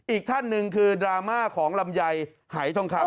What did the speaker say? อีกท่านหนึ่งคือดราม่าของลำไยหายทองคำ